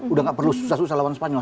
udah gak perlu susah susah lawan spanyol